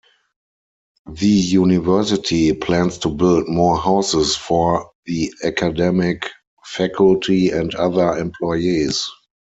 The University plans to build more houses for the academic faculty and other employees.